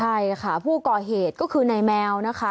ใช่ค่ะผู้ก่อเหตุก็คือนายแมวนะคะ